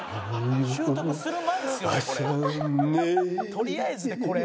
「とりあえずでこれ？